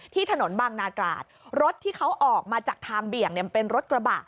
ที่ถนนบางนาตราดรถที่เขาออกมาจากทางเบี่ยงเป็นรถกระบะ